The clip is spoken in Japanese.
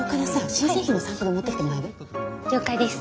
了解です。